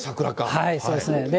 そうですね。